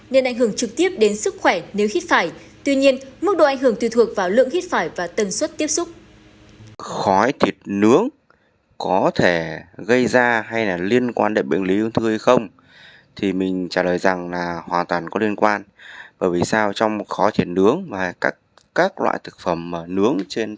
nên ảnh hưởng trực tiếp đến sức khỏe nếu hít phải tuy nhiên mức độ ảnh hưởng tùy thuộc vào lượng hít phải và tần suất tiếp xúc